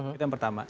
itu yang pertama